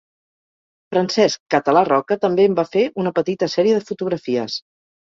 Francesc Català Roca també en va fer una petita sèrie de fotografies.